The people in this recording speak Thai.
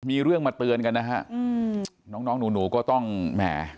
มีเรื่องมาเตือนกันนะฮะอืมน้องน้องหนูก็ต้องแหม